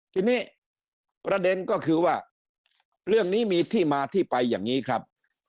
ทีนี้ประเด็นก็คือว่าเรื่องนี้มีที่มาที่ไปอย่างนี้ครับ